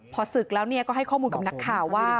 พอศึกแล้วก็ให้ข้อมูลกับนักข่าวว่า